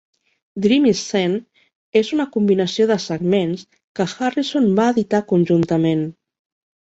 "Dream Scene" és una combinació de segments que Harrison va editar conjuntament.